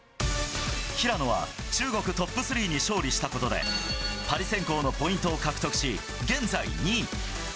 平野は中国トップ３に勝利したことで、パリ選考のポイントを獲得し、現在２位。